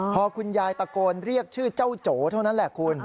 พอคุณยายตะโกนเรียกชื่อเจ้าโจเท่านั้นแหละคุณ